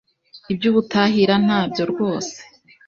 iby’ubutahira ntabyo rwose